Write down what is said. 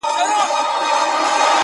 • کرۍ ورځ په کور کي لوبي او نڅا کړي,